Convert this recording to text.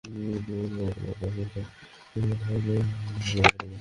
কিন্তু তুমি যদি নেকড়ের মত অবিশ্বস্ত হও, আমি তাহলে নিজেই তোমাকে মেরে ফেলবো।